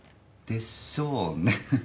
でしょうね。